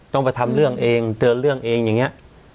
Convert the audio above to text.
ต้องไปทำเรื่องเองเดินเรื่องเองอย่างนี้